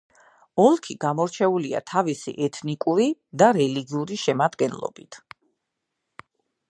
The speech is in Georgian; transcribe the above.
ოლქი გამორჩეულია თავისი ეთნიკური და რელიგიური შემადგენლობით.